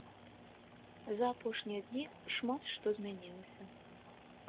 За апошнія дні шмат што змянілася.